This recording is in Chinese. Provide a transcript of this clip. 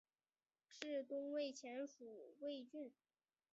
至东魏前属魏郡。